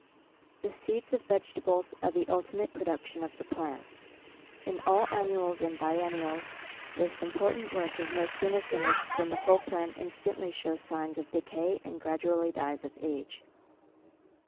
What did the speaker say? The seeds of vegetables are the ultimate production of the plant. In all annuals and biennials, this important work is no sooner finished than the whole plant instantly shows signs of decay, and gradually dies of age.